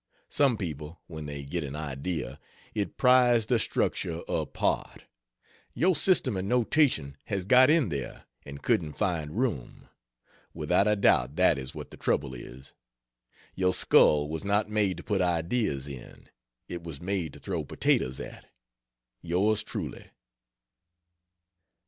Some people, when they get an idea, it pries the structure apart. Your system of notation has got in there, and couldn't find room, without a doubt that is what the trouble is. Your skull was not made to put ideas in, it was made to throw potatoes at. Yours Truly.